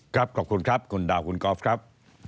ขอบคุณครับคุณดาวคุณกอล์ฟครับ